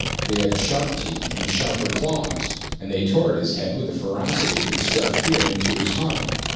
They had sharp teeth and sharper claws, and they tore at his head with a ferocity that struck fear into his heart.